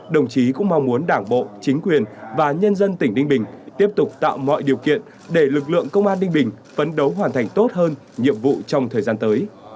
đồng chí cũng mong muốn đảng bộ chính quyền và nhân dân tỉnh ninh bình tiếp tục tạo mọi điều kiện để lực lượng công an ninh bình phấn đấu hoàn thành tốt hơn nhiệm vụ trong thời gian tới